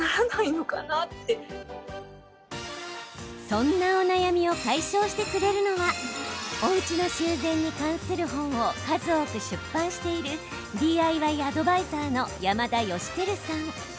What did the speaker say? そんなお悩みを解消してくれるのはおうちの修繕に関する本を数多く出版しているＤＩＹアドバイザーの山田芳照さん。